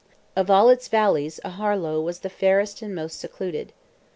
Of all its valleys Aharlow was the fairest and most secluded.